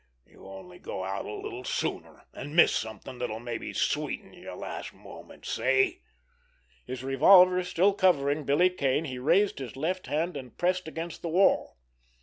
You'd only go out a little sooner, and miss something that'll maybe sweeten your last moments—see?" His revolver still covering Billy Kane, he raised his left hand and pressed against the wall.